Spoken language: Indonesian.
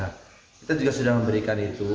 kita juga sudah memberikan itu